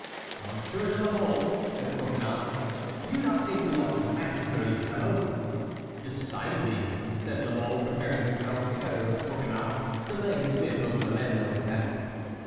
"Monsieur de la Mole," said Coconnas, "do you not think we ought to massacre this fellow?" "Decidedly," said La Mole, preparing himself, together with Coconnas, to lay his whip over the landlord's back.